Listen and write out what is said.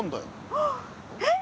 あっえっ？